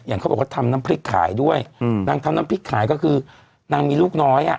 เขาบอกว่าทำน้ำพริกขายด้วยอืมนางทำน้ำพริกขายก็คือนางมีลูกน้อยอ่ะ